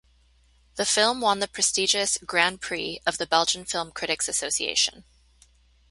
The film won the prestigious Grand Prix of the Belgian Film Critics Association.